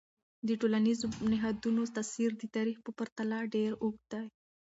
د ټولنیزو نهادونو تاثیر د تاریخ په پرتله ډیر اوږد دی.